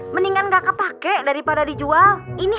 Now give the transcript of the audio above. mendingan gak kepake daripada dijual